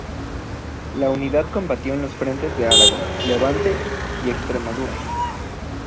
La unidad combatió en los frentes de Aragón, Levante y Extremadura.